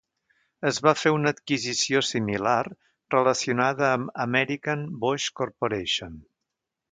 Es va fer una adquisició similar relacionada amb American Bosch Corporation.